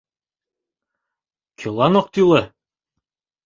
Кӧлан ок тӱлӧ?